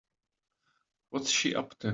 What's she up to?